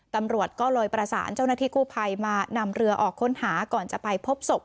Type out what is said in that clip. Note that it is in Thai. ตำรวจก็เลยประสานเจ้าหน้าที่กู้ภัยมานำเรือออกค้นหาก่อนจะไปพบศพ